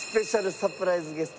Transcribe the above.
サプライズゲスト？